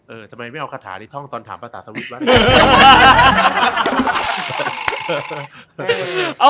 เออทำไมไม่เอาขาดหาดท่องตอนถามภาษาสวิทย์วะ